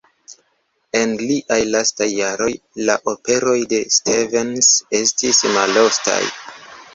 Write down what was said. En liaj lastaj jaroj, la aperoj de Stevens estis maloftaj.